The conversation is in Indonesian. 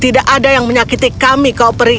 tidak ada yang menyakiti kami kau peri